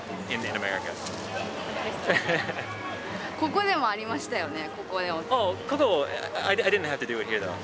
ここでもありましたよね。